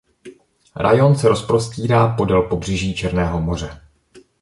Rajón se rozprostírá podél pobřeží Černého moře.